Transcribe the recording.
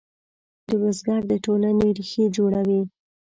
بزګر د ټولنې ریښې جوړوي